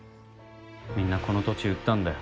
みんなこの土地売ったんだよ